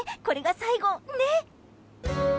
これが最後、ね！